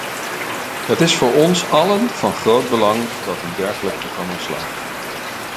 Het is voor ons allen van groot belang dat een dergelijk programma slaagt.